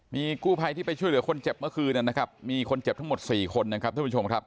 มีกู้ภัยที่ไปช่วยเหลือคนเจ็บเมื่อคืนนะครับมีคนเจ็บทั้งหมด๔คนนะครับท่านผู้ชมครับ